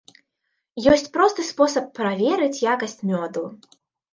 Ёсць просты спосаб праверыць якасць мёду.